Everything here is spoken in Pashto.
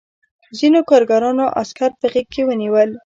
ځینو کارګرانو عسکر په غېږ کې ونیول